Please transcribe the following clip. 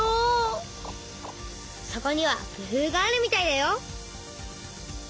そこには工夫があるみたいだよ。